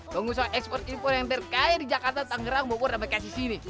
donggoso ekspor impor yang terkaya di jakarta tangerang bogor dan kc sini